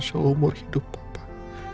seluruh umur hidup bapak